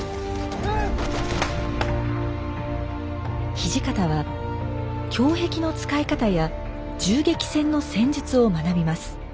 土方は胸壁の使い方や銃撃戦の戦術を学びます。